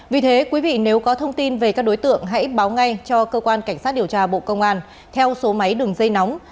vì thế quý vị nếu có thông tin về các đối tượng hãy báo ngay cho cơ quan cảnh sát điều tra bộ công an theo số máy đường dây nóng sáu mươi chín hai trăm ba mươi bốn năm nghìn tám trăm sáu mươi